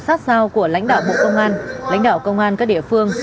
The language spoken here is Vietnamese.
sát sao của lãnh đạo bộ công an lãnh đạo công an các địa phương